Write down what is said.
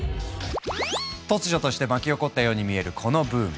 突如として巻き起こったように見えるこのブーム。